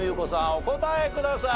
お答えください。